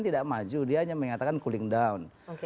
tidak maju dia hanya mengatakan cooling down